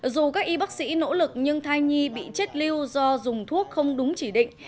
dù các y bác sĩ nỗ lực nhưng thai nhi bị chết lưu do dùng thuốc không đúng chỉ định